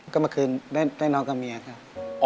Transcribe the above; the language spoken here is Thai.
ก็เมื่อคืนได้นอนกับเมียครับ